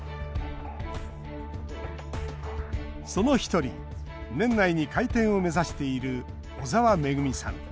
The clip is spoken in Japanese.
その一人年内に開店を目指している小澤めぐみさん。